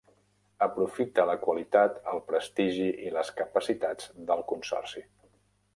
Aprofita la qualitat, el prestigi i les capacitats del consorci.